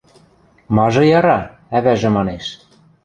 – Мажы яра? – ӓвӓжӹ манеш.